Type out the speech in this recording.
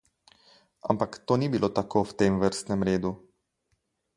Ampak to ni bilo tako v tem vrstnem redu.